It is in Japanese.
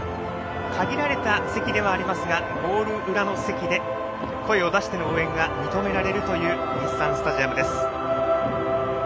限られた席ではありますがゴール裏の席で声を出しての応援が認められるという日産スタジアムです。